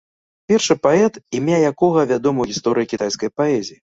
Першы паэт, імя якога вядома ў гісторыі кітайскай паэзіі.